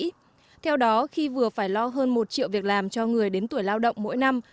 theo đó khi vừa phải lo hơn một triệu việc làm cho người đến tuổi lao động mỗi năm